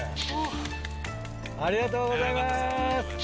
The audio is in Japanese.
ありがとうございます！